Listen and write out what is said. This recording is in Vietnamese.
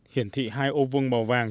hiển thị hai ô vương màu vàng